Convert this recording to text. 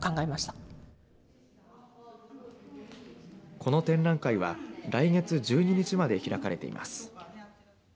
この展覧会は来月１２日まで開かれています。